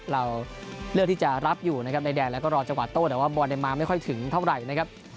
เราเลือกที่จะรับอยู่นะครับในแดนแล้วก็รอจังหวะโต้แต่ว่าบอลมาไม่ค่อยถึงเท่าไหร่นะครับ